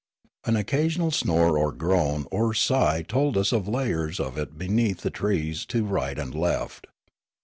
An occasional snore or groan or sigh told us of laj'ers of it beneath the trees to right and left.